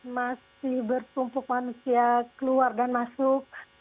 masih bertumpuk manusia keluar dan masuk